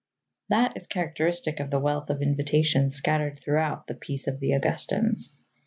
That is characteristic of the wealth of invitations scattered through The Peace of the Augustans.